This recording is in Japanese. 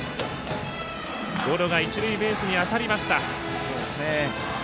ゴロが一塁ベースに当たりました。